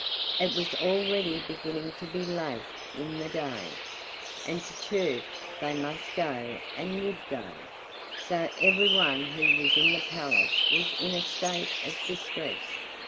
It was already beginning to be late in the day, and to church they must and would go, so everyone who was in the palace was in a state of distress.